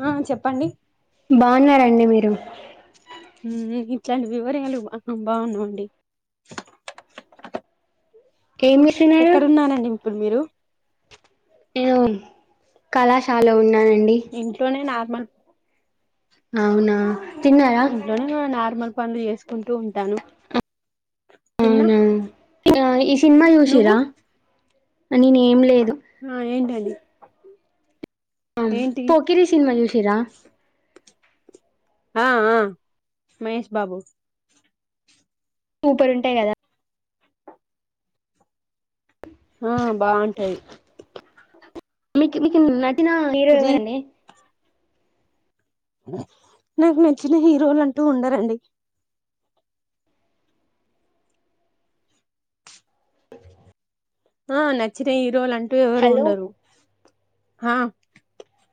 ఆ చెప్పండి బాగున్నారండి మీరు ఇట్లాంటి వివరాలు బాగున్నా అండి ఏం చేస్తున్నారు ఎక్కడున్నానండి ఇప్పుడు మీరు నేను కళాశాలొ ఉన్నాను ఇంట్లోనే నా మ అవునా తిన్నారా ఇంట్లోనే నార్మల్ పనులు చేసు తిన్నా అవునా ఈ సినిమా నువ్వు చూసీరా నేనేం లేద్ ఆ ఏంటదీ ఆ పోకిరి సినిమా చూసిరా ఆ ఆ మహేష్ బాబు సూపర్ ఉంటాయి కదా ఆ బాగుంటది మీకి మీకు న చ్చిన హీరో రీ ఎవరనే నాకు నచ్చిన హీరోలు అంటూ ఉండరండి ఆ నచ్చిన హీరోళంట ఎవరు హలో ఉండరు హా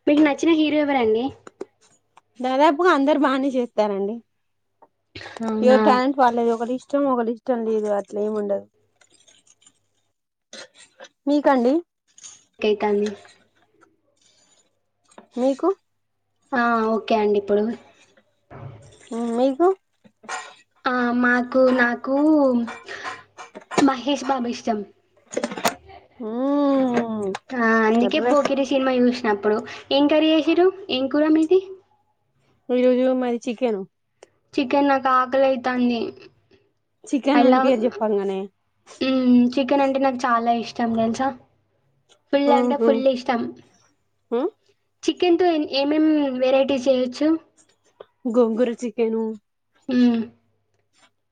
మీకు నచ్చిన హీరో ఎవరండి దాదాపుగా అందరు బానే చేస్తారండి అవునా ఎవరి టాలెంట్ వాలది ఒకరి ఇష్ట ఇష్టం ఒకడు ఇష్టం లేదు అట్లా ఏముండదు మీకండి ఎక్కనీ మీకు ఆ ఓ ఓకే అండి ఇప్పుడు మ్ ఆ మాకు నాకు మహేష్ బాబ ఇష్టం హ్మ్ ఆ అందుకే పోకిరి సినిమా చూసిన్నా ఇప్పుడు ఏం కర్రీ చేసిరు ఏం కూర మీది ఈ రోజు మాది చికెను చికెన్ నాక్ ఆకలి ఐతాంది చికెన్ ఐ అని లవ్ పేరు చెప్పంగానే చికెన్ అంటే నాకు చాలా ఇష్టం టం తెలుసా ఫుల్ అంటె ఊహు ఫుల్ ఇష్టం ఊ చికెన్ తొ ఏమ్ ఏమ్ వెరైటీస్ చేయచ్చ గోంగూర చికెను మ్మ్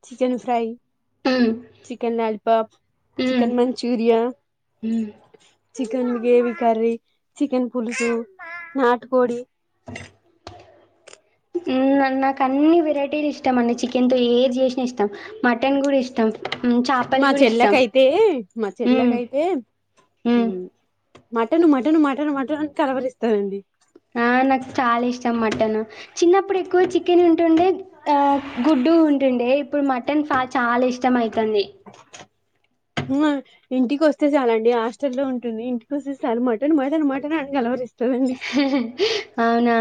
చికెన్ ఫ్రై చికెన్ లాలిపప్ హ్మ్. చికెన్ మంచూరియా హ్మ్. చికెన్ గ్రేవి కర్రీ, చికెన్ పులుసు, నాటు కోడి నాకు అన్ని వెరైటీలు ఇష్టం అండి చికెన్ తో ఏది చేసినా ఇష్టం, మటన్ కూడా ఇష్టం హ్మ్. చేపలు మా గూడా ఇష్టం. చెల్లకైతే మా హ్మ్. చెల్లకైతే హ్మ్. మటన్ మటన్ మటన్ మటన్ అని కలవరిస్తాంది ఆ నాకు చాలా ఇష్టం చిన్నప్పుడు ఎక్కువ చికెన్ ఉంటుండే ఆ గుడ్డు ఉంటుండే ఇప్పుడు మటన్ చాలా ఇష్టం అయిత తని ఉ ఇంటికి వస్తే చాలు అండి హాస్టల్లో ఉంటుంది ఇంటికి వస్తే చాలు మటన్ మటన్ మటన్ అని గలవరిస్తు అవునా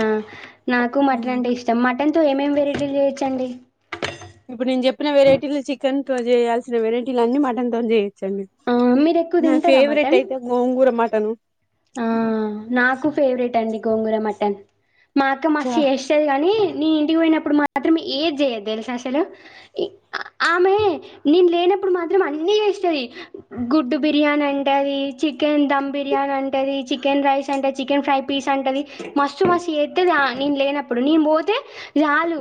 నాకు మటన్ మ్మ్ అంటే ఇష్టం మట్ దాంతో ఏమేమి వెరైటీలు చేయొచ్చు అండి ఇప్పుడు నేను చెప్పిన వెరైటీలు చికెన్ తో చేయాల్సిన వెరైటీలన్నీ మటన్ తో చే ఆ, మీరు ఎక్కువ నా తింటారా ఫేవరెట్ మటన్ అయితే గోంగూర మట్ తను ఆ నాకు ఫేవరెట్ అండి గోంగూర మటన్ మాఅత్తమ్మ చా చేసేది కాని నీను ఇంటికి పోయినప్పుడు మాత్రం ఏది చేయదు తెలుసా అసలు ఆమె నేను లేనప్పుడు మాత్రం అన్నీ చేస్తుంది గుడ్డు బిర్యానీ అంటాది చికెన్ దమ్ బిర్యానీ అంట చికెన్ రైస్ అంట, చికెన్ ఫ్రై పీస్ అంటంది మస్తు మస్తు చేత్తాది నేను లేనప్పుడు నేను పోతే చాలు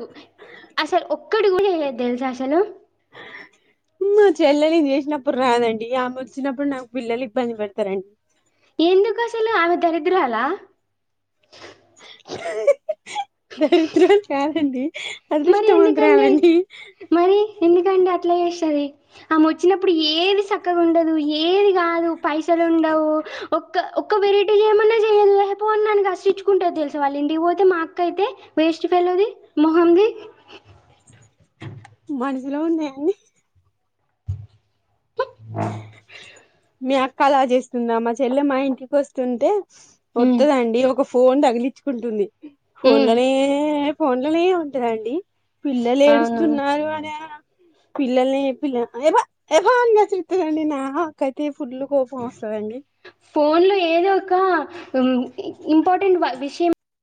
అసల్ ఒక్కటి కూడా చెయ్యాదు తెలుసా అసలు చెల్లెలి కి చేసినప్పుడు రాదండి ఆమె వచ్చినప్పుడు నాకు పిల్లలు ఇబ్బంది పెడతారండి ఎందుకు అసలు ఆమె దరిద్రాల దరిద్రలు కాదండి మరి ఎందుకండి అదృష్టవంతురాలండి మరి ఎందుకండి అట్లా చేస్తాది ఆమె వచ్చినప్పుడు ఏది చక్కగా ఉండదు ఏది కాదు పైసలు ఉండవు ఒక్క వెరైటీ చేయమన్నా చేయదు పో అన్నానికి అసహ్యహించుకుంటది తెలుసు వాళ్ళ ఇంటికి పోతే మాఅక్క అయితే వేస్ట్ ఫెలోది మొహంది మనస్సులో ఉన్నాయా అన్ని త [inaudible] మీ అక్క అలా చేస్తుందా మా చెల్లె మా ఇంటికి వస్తుంటే ఉమ్ వత్తదండి ఒక ఫోన్ తగిలించుకుంటుంది ఫోన్లో ఉమ్ నే ఫోన్లనే ఉంటాదండి పిల్లలు అవును ఏడుస్తున్నారు అన్య పిల్లలని పిల్ల ఎపో ఎపో అని కాసరిస్తు అవునండి నాకైతే ఫుల్లు కోపం వస్తదండి ఫోన్లో ఏదో ఒక ఇంపార్టెంట్ విషయం